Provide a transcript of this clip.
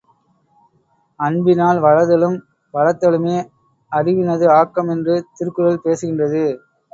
அன்பினால் வளர்தலும் வளர்த்தலுமே அறிவினது ஆக்கம் என்று திருக்குறள் பேசுகின்றது.